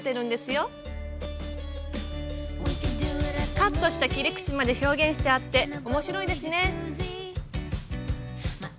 カットした切り口まで表現してあって面白いですね。